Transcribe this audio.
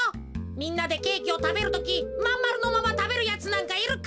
みんなでケーキをたべるときまんまるのままたべるやつなんかいるか？